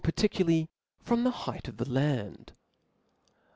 393 ff particularly from the height of the land.